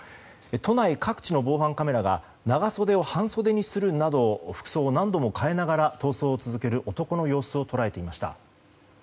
都内各地の防犯カメラが長袖を半袖にするなど服装を何度も変えながら逃走を続ける男の様子を捉えていました。